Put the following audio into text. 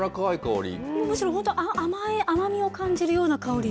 むしろ甘い、甘みを感じるような香り。